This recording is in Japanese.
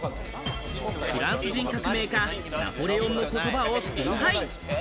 フランス人革命家・ナポレオンの言葉を崇拝。